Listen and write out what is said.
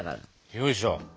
よいしょ。